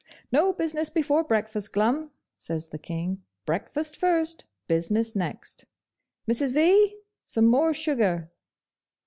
'No business before breakfast, Glum!' says the King.' Breakfast first, business next. Mrs. V., some more sugar!